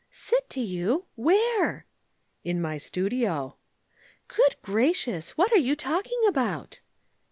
"Sit to you! Where?" "In my studio." "Good gracious! What are you talking about?"